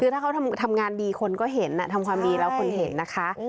คือถ้าเขาทำงานดีคนก็เห็นทำความดีแล้วคนเห็นนะคะ